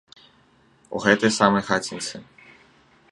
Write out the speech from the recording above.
У гэтай самай хацінцы.